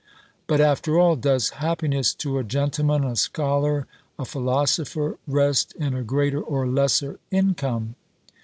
"But, after all, does happiness to a gentleman, a scholar, a philosopher, rest in a greater or lesser income?